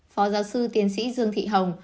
phó giáo sư tiến sĩ dương thị hồng